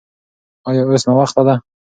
ایا اوس ناوخته ده؟